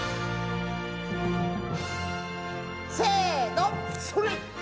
せのそれ！